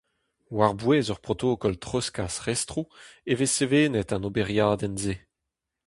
War-bouez ur protokol treuzkas restroù e vez sevenet an oberiadenn-se.